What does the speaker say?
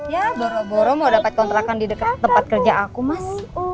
ya boro boro mau dapat kontrakan di dekat tempat kerja aku mas